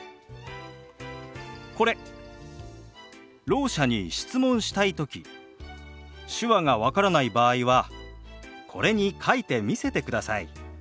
ろう者に質問したい時手話が分からない場合はこれに書いて見せてください。